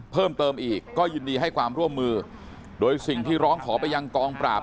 เพิ่มเติมอีกก็ยินดีให้ความร่วมมือโดยสิ่งที่ร้องขอไปยังกองปราบ